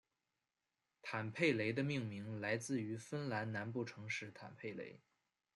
坦佩雷的命名来自于芬兰南部城市坦佩雷。